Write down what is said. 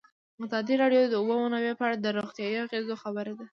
ازادي راډیو د د اوبو منابع په اړه د روغتیایي اغېزو خبره کړې.